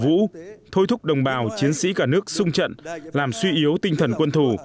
vũ thôi thúc đồng bào chiến sĩ cả nước sung trận làm suy yếu tinh thần quân thù